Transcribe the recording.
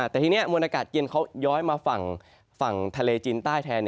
แต่ทีนี้มวลอากาศเย็นเขาย้อยมาฝั่งทะเลจีนใต้แทน